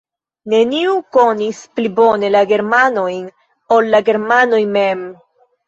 Neniu konis pli bone la germanojn, ol la germanoj mem.